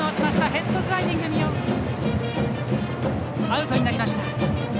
ヘッドスライディングアウトになりました。